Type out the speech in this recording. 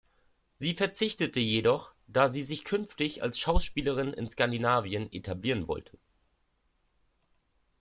Sie verzichtete jedoch, da sie sich künftig als Schauspielerin in Skandinavien etablieren wollte.